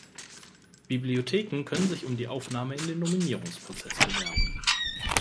Bibliotheken können sich um die Aufnahme in den Nominierungsprozess bewerben.